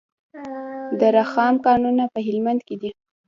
د رخام کانونه په هلمند کې دي